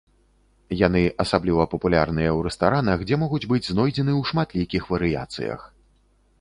Яны асабліва папулярныя ў рэстаранах, дзе могуць быць знойдзены ў шматлікіх варыяцыях.